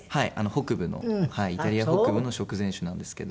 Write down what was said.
北部のイタリア北部の食前酒なんですけど。